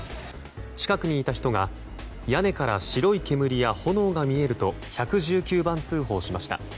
近くにいた人が屋根から白い煙や炎が見えると１１９番通報しました。